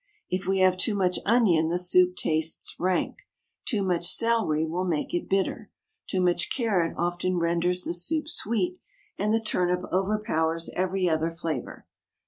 If we have too much onion the soup tastes rank; too much celery will make it bitter; too much carrot often renders the soup sweet; and the turnip overpowers every other flavour.